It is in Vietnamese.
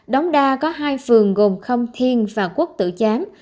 đống đa có hai phường gồm khâm thiên và quốc tử chán